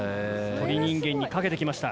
『鳥人間』にかけてきました。